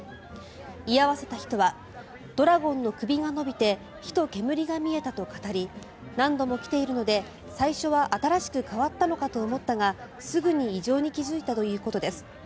居合わせた人はドラゴンの首が伸びて火と煙が見えたと語り何度も来ているので最初は新しく変わったのかと思ったがすぐに異常に気付いたということです。